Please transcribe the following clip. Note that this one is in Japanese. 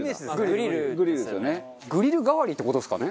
グリル代わりって事ですかね。